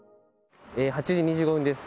８時２５分です。